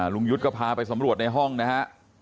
ลุงยุทธ์ก็พาไปสำรวจในห้องนะฮะ